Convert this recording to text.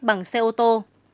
bằng xe ô tô